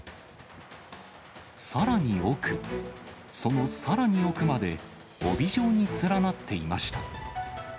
さらに奥、そのさらに奥まで、帯状に連なっていました。